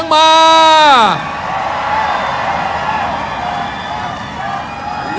กาเบอร์